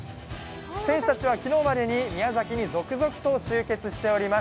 選手たちは昨日までに宮崎に続々と集結しています。